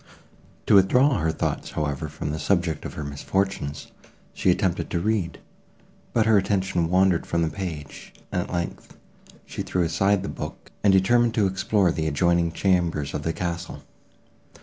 To withdraw her thoughts, however, from the subject of her misfortunes, she attempted to read, but her attention wandered from the page, and, at length, she threw aside the book, and determined to explore the adjoining chambers of the castle.